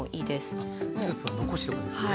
スープは残しておくんですね。